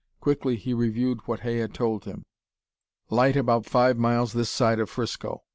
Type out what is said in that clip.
Quickly he reviewed what Hay had told him. "Light about five miles this side of Frisco.